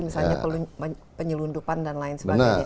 misalnya penyelundupan dan lain sebagainya